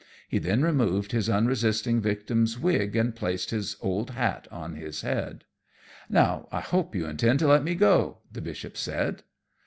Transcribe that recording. He then removed his unresisting victim's wig and placed his old hat on his head. "Now I hope you intend to let me go," the Bishop said.